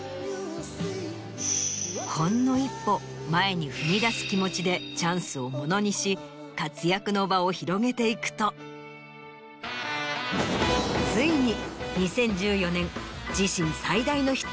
ほんの一歩前に踏み出す気持ちでチャンスをものにし活躍の場を広げていくとついに。